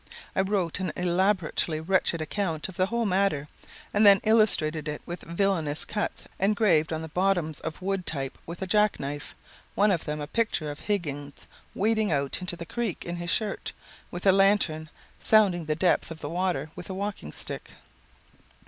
I wrote an elaborately wretched account of the whole matter, and then illustrated it with villainous cuts engraved on the bottoms of wood type with a jackknife one of them a picture of Higgins wading out into the creek in his shirt, with a lantern, sounding the depth of the water with a walking stick.